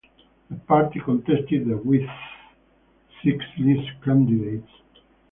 The party contested the with six list candidates.